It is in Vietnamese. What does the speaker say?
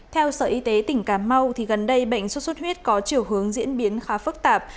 theo sở y tế tỉnh cà mau gần đây bệnh xuất xuất huyết có chiều hướng diễn biến khá phức tạp